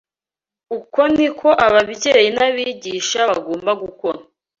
Uko ni ko ababyeyi n’abigisha bagomba gukora